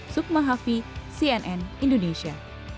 sukma hafi cnn indonesia